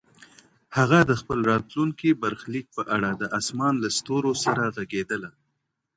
هغه د خپل راتلونکي برخلیک په اړه د اسمان له ستورو سره غږېدله.